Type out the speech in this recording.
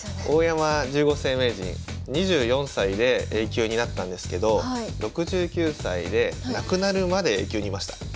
大山十五世名人２４歳でＡ級になったんですけど６９歳で亡くなるまでＡ級にいました。